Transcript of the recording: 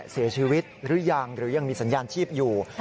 เสียชีวิตหรือยังหรือยังมีสัญญาณชีพอยู่